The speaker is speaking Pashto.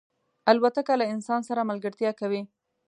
الوتکه له انسان سره ملګرتیا کوي.